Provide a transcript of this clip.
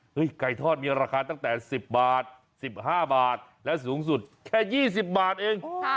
ไก่ทอดมีราคาตั้งแต่๑๐บาท๑๕บาทและสูงสุดแค่๒๐บาทเอง